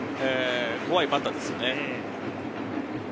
怖いバッターですよね。